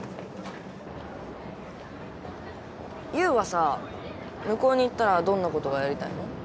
優はさ向こうに行ったらどんなことがやりたいの？